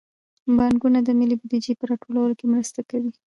بانکونه د ملي بودیجې په راټولولو کې مرسته کوي.